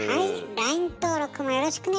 ＬＩＮＥ登録もよろしくね。